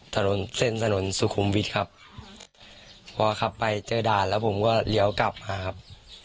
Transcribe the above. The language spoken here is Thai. ถนนเส้นถนนสุขุมวิทย์ครับพอขับไปเจอด่านแล้วผมก็เลี้ยวกลับมาครับ